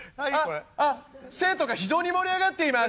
「あっあっ生徒が非常に盛り上がっています」。